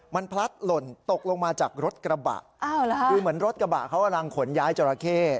มันพลัดหล่นตกลงมาจากรถกระบะคือเหมือนรถกระบะเขากำลังขนย้ายจราเข้